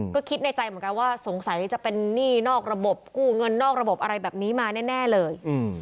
ก็คิดในใจเหมือนกันว่าสงสัยจะเป็นหนี้นอกระบบกู้เงินนอกระบบอะไรแบบนี้มาแน่เลย